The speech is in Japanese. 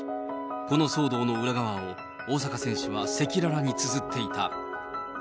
この騒動の裏側を、大坂選手は赤裸々につづっていた。